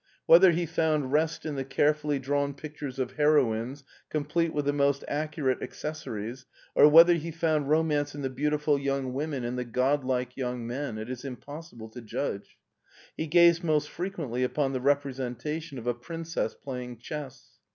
Whether he found rest in the care fully drawn pictures of heroines, complete with the most accurate accessories, or whether he found romance in the beautiful young women and the godlike young men, it is impossible to judge. He gazed most fre quently upon the representation of a princess playing chess.